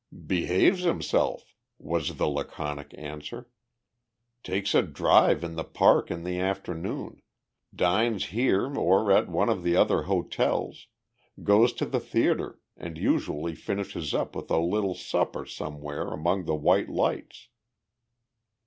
"Behaves himself," was the laconic answer. "Takes a drive in the Park in the afternoon, dines here or at one of the other hotels, goes to the theater and usually finishes up with a little supper somewhere among the white lights."